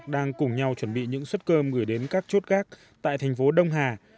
đang cùng nhau chuẩn bị những suất cơm gửi đến các chốt gác tại thành phố đông hà